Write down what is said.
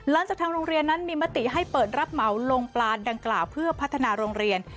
หลังจากทางโรงเรียนนั้นมีมติให้เปิดรับเหมาลงปลาดังกล่าวเพื่อพัฒนาโรงเรียน